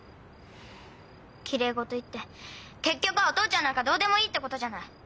きれい事言って結局はお父ちゃんなんかどうでもいいってことじゃない！